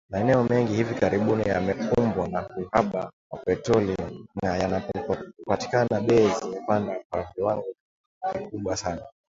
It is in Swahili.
Maeneo mengi hivi karibuni yamekumbwa na uhaba wa petroli na yanapopatikana bei zimepanda kwa viwango vikubwa sana